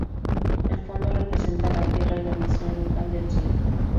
El fondo representa a la Tierra y la visión local del cielo.